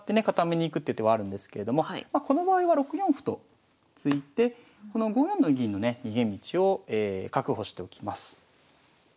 固めに行くっていう手はあるんですけれどもこの場合は６四歩と突いてこの５四の銀のね逃げ道を確保しておきます。